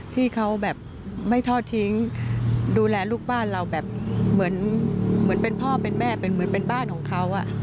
ที่เขาไม่ทอดทิ้งดูแลลูกบ้านเราเหมือนเป็นพ่อเป็นแม่เป็นบ้านของเขา